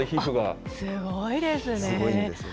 すごいですね。